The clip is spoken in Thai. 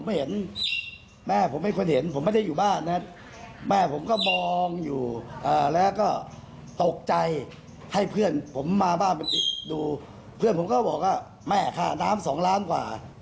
ไม่เห็นแม่ผมไม่ควรเห็นผมไม่ได้อยู่บ้านนะแม่ผมก็มองอยู่แล้วก็ตกใจให้เพื่อนผมมาบ้านไปดูเพื่อนผมก็บอกว่าแม่ค่าน้ำสองล้านกว่า